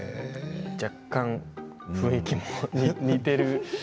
若干雰囲気も似ている。